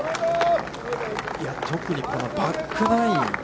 特にこのバックナイン。